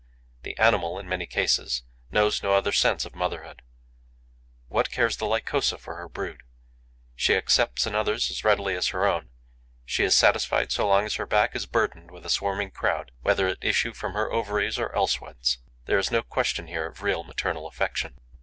The animal, in many cases, knows no other sense of motherhood. What cares the Lycosa for her brood! She accepts another's as readily as her own; she is satisfied so long as her back is burdened with a swarming crowd, whether it issue from her ovaries or elsewhence. There is no question here of real maternal affection.